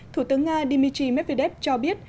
thủ tướng nga dmitry medvedev cho biết